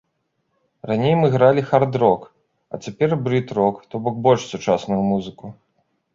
Раней мы гралі хард-рок, а цяпер брыт-рок, то бок больш сучасную музыку.